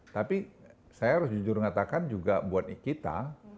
tapi saya harus jujur mengatakan juga buat kita